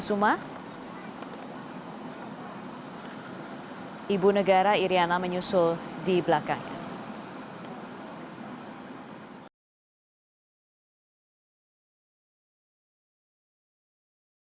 di bawah benhehe rewarding pengaman perman yang menarang syariah singapura dan thailand